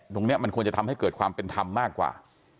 ตรงนี้มันควรจะทำให้เกิดความเป็นธรรมมากกว่า